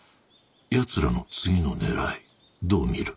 奴らの次の狙いどう見る？